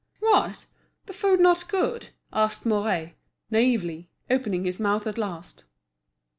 "What! the food not good?" asked Mouret, naïvely, opening his mouth at last.